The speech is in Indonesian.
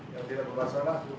yang tidak berasalah